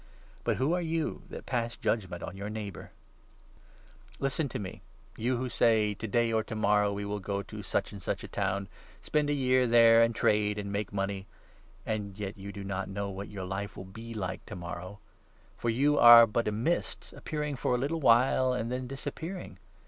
But who are you that pass judgement on your neighbour? A a.net Listen to me, you who say ' To day or to morrow 13 Presumption, we will go to such and such a town, spend a year there, and trade, and make money,' and yet you do 14 not know what your life will be like to morrow ! For you are but a mist appearing for a little while and then disappearing.